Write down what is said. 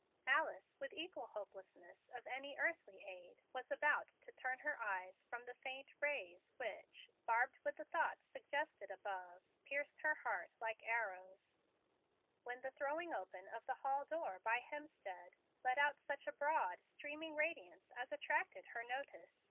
Alice, with equal hopelessness of any earthly aid, was about to turn her eyes from the faint rays which, barbed with the thoughts suggested above, pierced her heart like arrows, when the throwing open of the hall door by Hemstead let out such a broad streaming radiance as attracted her notice.